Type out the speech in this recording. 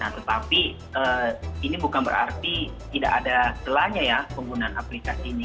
tetapi ini bukan berarti tidak ada celahnya ya penggunaan aplikasi ini